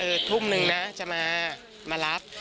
เออทุ่มหนึ่งนะจะมามารับ